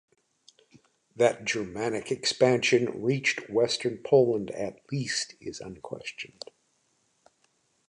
That Germanic expansion reached western Poland at least is unquestioned.